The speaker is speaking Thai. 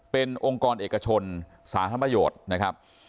เป็นองค์กรเอกชนสาธารณประโยชน์นะครับ